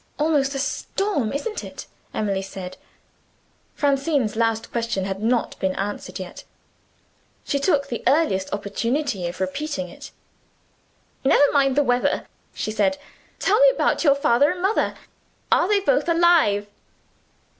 "Almost a storm, isn't it?" Emily said Francine's last question had not been answered yet. She took the earliest opportunity of repeating it: "Never mind the weather," she said. "Tell me about your father and mother. Are they both alive?"